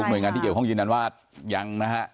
ทุกหน่วยงานที่เกี่ยวกับห้องยิ้มถ์นานวาด